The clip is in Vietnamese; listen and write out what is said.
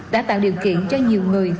đã tạo điều kiện cho nhiều người